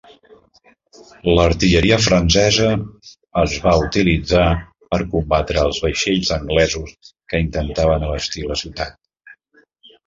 L'artilleria francesa es va utilitzar per combatre els vaixells anglesos que intentaven abastir la ciutat.